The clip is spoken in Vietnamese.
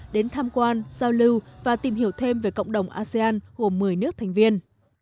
đến tham quan giao lưu và tìm hiểu thêm về cộng đồng asean gồm một mươi nước thành viên